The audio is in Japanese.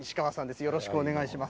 よろしくお願いします。